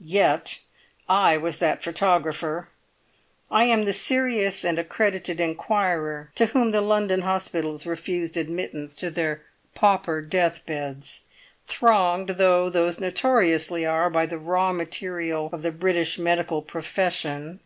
Yet I was that photographer. I am the serious and accredited inquirer to whom the London hospitals refused admittance to their pauper deathbeds, thronged though those notoriously are by the raw material of the British medical profession.